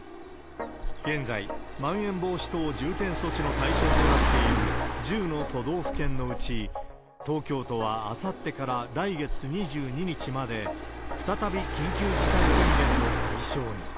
現在、まん延防止等重点措置の対象となっている１０の都道府県のうち、東京都はあさってから来月２２日まで、再び緊急事態宣言の対象に。